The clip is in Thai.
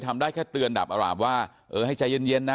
เพราะไม่เคยถามลูกสาวนะว่าไปทำธุรกิจแบบไหนอะไรยังไง